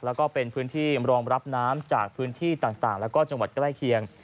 แล้วก็เป็นพื้นที่รองรับน้ำจากพื้นที่ต่างแล้วก็จังหวัดใกล้เคียง